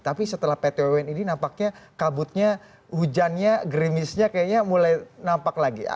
tapi setelah pt un ini nampaknya kabutnya hujannya gerimisnya kayaknya mulai nampak lagi